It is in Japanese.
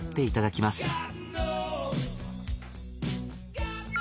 いただきます。